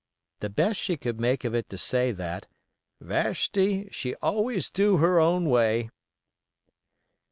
The best she could make of it to say that "Vashti, she always DO do her own way."